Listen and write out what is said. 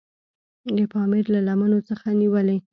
د پامیر له لمنو څخه نیولې.